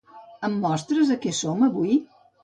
Em mostres a què som avui?